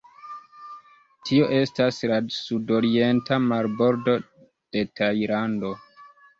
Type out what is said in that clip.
Tio estas la sudorienta marbordo de Tajlando.